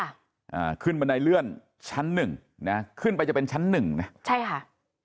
อ่าขึ้นบันไดเลื่อนชั้นหนึ่งนะขึ้นไปจะเป็นชั้นหนึ่งนะใช่ค่ะ